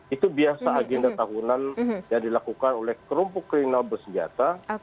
itu biasa agenda tahunan yang dilakukan oleh kelompok kriminal bersenjata